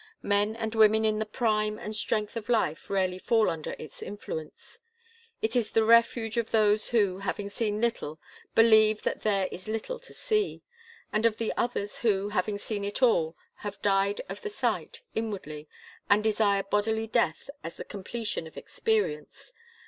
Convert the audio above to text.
Men and women in the prime and strength of life rarely fall under its influence. It is the refuge of those who, having seen little, believe that there is little to see, and of the others who, having seen all, have died of the sight, inwardly, and desire bodily death as the completion of experience.